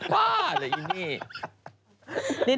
กบ้าเหล่ะอินี่